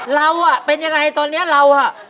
เราอ่ะเป็นยังไงตอนนี้เราอ่ะ